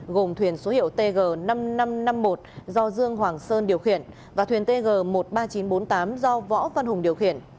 gồm thuyền số hiệu tg năm nghìn năm trăm năm mươi một do dương hoàng sơn điều khiển và thuyền tg một mươi ba nghìn chín trăm bốn mươi tám do võ văn hùng điều khiển